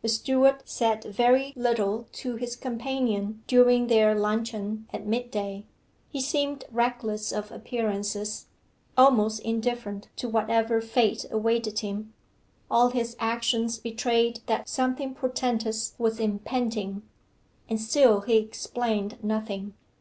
The steward said very little to his companion during their luncheon at mid day. He seemed reckless of appearances almost indifferent to whatever fate awaited him. All his actions betrayed that something portentous was impending, and still he explained nothing.